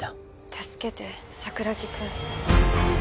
助けて桜木くん。